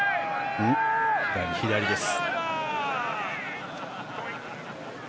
左です。